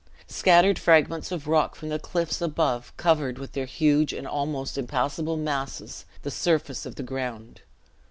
Scattered fragments of rock from the cliffs above covered with their huge and almost impassable masses the surface of the ground.